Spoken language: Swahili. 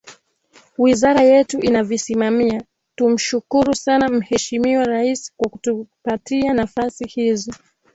Wizara yetu inavisimamia tumshukuru sana Mheshimiwa Rais kwa kutupatia nafasi hizi